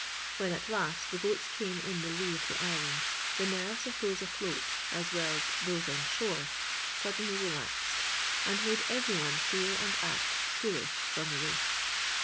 When at last, the boats came in the lee of the island, the nerves of those afloat as well as those on shore suddenly relaxed and made every one feel and act foolish from relief.